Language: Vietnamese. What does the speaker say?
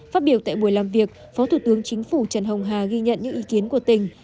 phát biểu tại buổi làm việc phó thủ tướng chính phủ trần hồng hà ghi nhận những ý kiến của tỉnh